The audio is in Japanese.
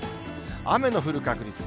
雨の降る確率。